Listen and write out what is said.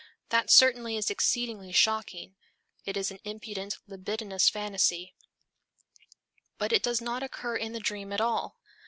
That certainly is exceedingly shocking, it is an impudent libidinous phantasy, but it does not occur in the dream at all.